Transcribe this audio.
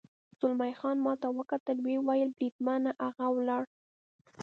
زلمی خان ما ته وکتل، ویې ویل: بریدمنه، هغه ولاړ.